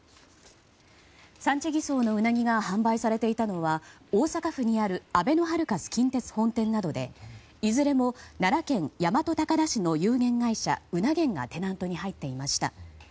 産地偽装のウナギが販売されていたのは大阪府にあるあべのハルカス近鉄本店などでいずれも奈良県大和高田市の有限会社うな源がテナントに入っていました。